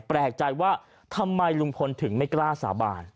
แปลกใจว่าทำไมลุงพลถึงไม่กล้าสาบาน